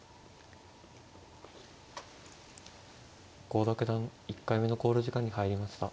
郷田九段１回目の考慮時間に入りました。